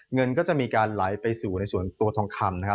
เงินก็จะมีการไหลไปสู่ในส่วนตัวทองคำนะครับ